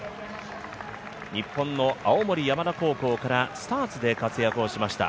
日本の青森山田高校からスターツで活躍をしました。